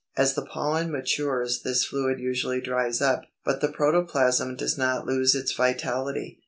As the pollen matures this fluid usually dries up, but the protoplasm does not lose its vitality.